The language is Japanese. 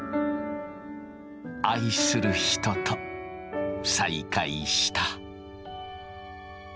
愛する人と再会した。